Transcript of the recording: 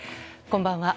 こんばんは。